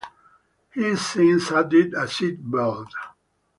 He's since added a seat belt.